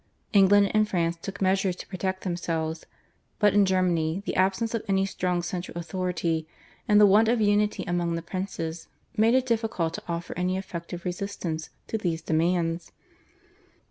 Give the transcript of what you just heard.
England and France took measures to protect themselves; but in Germany the absence of any strong central authority, and the want of unity among the princes made it difficult to offer any effective resistance to these demands.